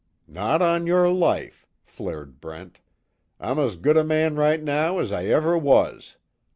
"Not on your life," flared Brent, "I'm as good a man right now as I ever was!